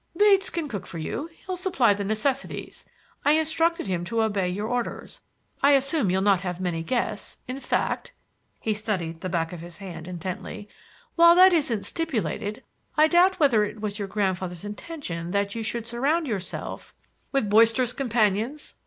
"Bates can cook for you. He'll supply the necessities. I'll instruct him to obey your orders. I assume you'll not have many guests,—in fact,"—he studied the back of his hand intently,—"while that isn't stipulated, I doubt whether it was your grandfather's intention that you should surround yourself—" "With boisterous companions!"